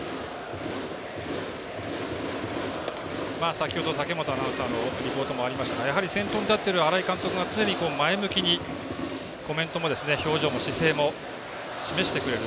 先ほど武本アナウンサーのリポートもありましたが先頭に立っている新井監督が常に前向きにコメントも表情も姿勢も、示してくれる。